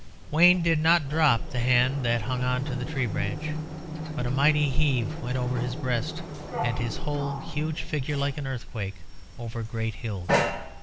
Wayne did not drop the hand that hung on to the tree branch. But a mighty heave went over his breast and his whole huge figure, like an earthquake over great hills.